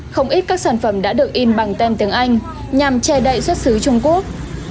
không ít các sản phẩm đã được in bằng tem tiếng anh nhằm che đậy xuất xứ trung quốc